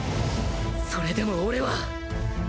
それでも俺は！